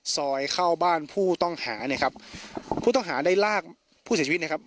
เข้าบ้านผู้ต้องหาเนี่ยครับผู้ต้องหาได้ลากผู้เสียชีวิตนะครับ